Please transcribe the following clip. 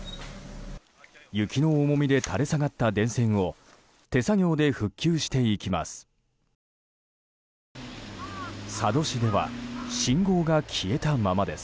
雪の重みで垂れ下がった電線を手作業で復旧していきます。